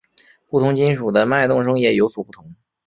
不同金属的脉动声也有所不同。